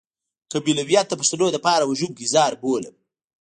قبيلويت د پښتنو لپاره وژونکی زهر بولم.